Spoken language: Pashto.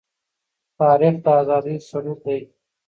تاریخ د آزادۍ سرود دی.